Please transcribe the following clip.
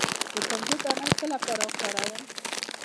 د کنجد دانه د څه لپاره وکاروم؟